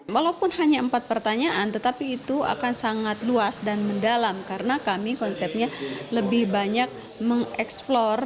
walaupun hanya empat pertanyaan tetapi itu akan sangat luas dan mendalam karena kami konsepnya lebih banyak mengeksplor